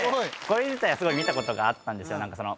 これ自体はすごい見たことがあったんですよ